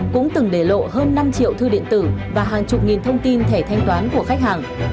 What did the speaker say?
cũng từng để lộ hơn năm triệu thư điện tử và hàng chục nghìn thông tin thẻ thanh toán của khách hàng